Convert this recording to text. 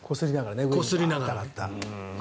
こすりながら。